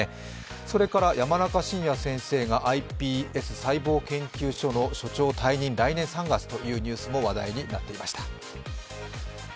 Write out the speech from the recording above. それから山中伸弥先生がｉＰＳ細胞研究所の所長を退任、来年３月というニュースも話題になっていました。